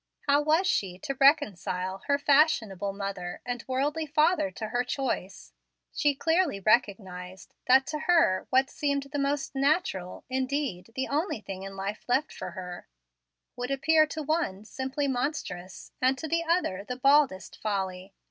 How was she to reconcile her fashionable mother and worldly father to her choice? She clearly recognized that what to her seemed the most natural indeed, the only thing in life left for her would appear to one simply monstrous, and to the other the baldest folly.